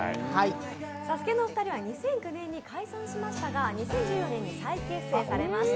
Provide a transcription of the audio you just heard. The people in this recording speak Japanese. サスケのお二人は２００９年に解散されましたが２０１４年に再結成しました。